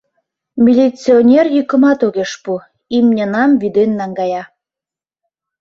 Милиционер йӱкымат огеш пу, имньынам вӱден наҥгая.